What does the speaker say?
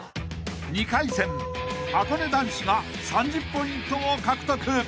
［２回戦はこね男子が３０ポイントを獲得］